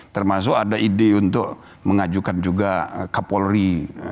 termasuk ada ide untuk mengajukan juga kapolri